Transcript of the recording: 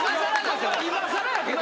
いまさらやけど。